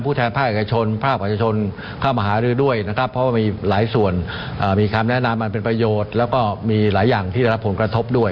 เพราะว่ามีหลายอย่างที่จะรับผลกระทบด้วย